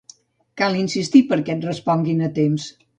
Cal insistir perquè et responguin a temps.